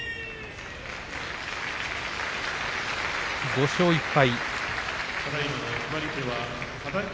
５勝１敗。